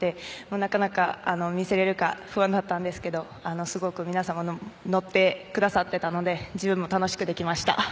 なかなか、見せられるか不安だったんですけど皆様乗ってくださっていたので自分も楽しくできました。